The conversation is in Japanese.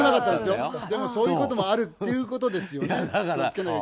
でも、そういうこともあるということですよね。